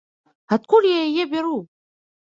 Адкуль я яе бяру?